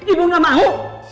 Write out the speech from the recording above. ibu gak mau